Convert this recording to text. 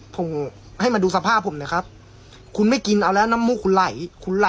ผมให้มาดูสภาพผมหน่อยครับคุณไม่กินเอาแล้วน้ำมูกคุณไหล